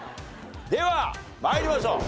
では参りましょう。